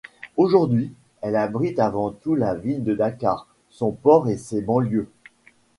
Aujourd'hui elle abrite avant tout la ville de Dakar, son port et ses banlieues.